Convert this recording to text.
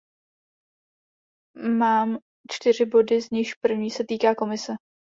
Mám čtyři body, z nichž první se týká Komise.